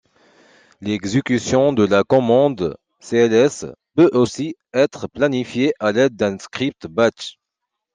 L’exécution de la commande cls peut aussi être planifiée à l'aide d'un script batch.